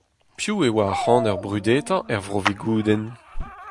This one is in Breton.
Piv e oa ar c'haner brudetañ er Vro Vigoudenn ?